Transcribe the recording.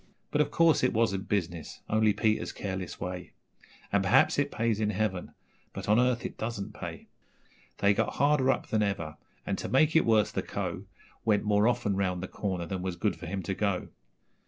But, of course, it wasn't business only Peter's careless way; And perhaps it pays in heaven, but on earth it doesn't pay. They got harder up than ever, and, to make it worse, the Co. Went more often round the corner than was good for him to go.